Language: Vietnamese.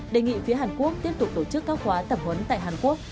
đề nghị phía hàn quốc tiếp tục tổ chức các khóa tập huấn tại hàn quốc